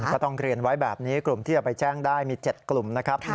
ก็ต้องเรียนไว้แบบนี้กลุ่มที่จะไปแจ้งได้มี๗กลุ่มนะครับ